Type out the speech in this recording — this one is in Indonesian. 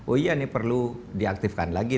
oh iya ini perlu diaktifkan lagi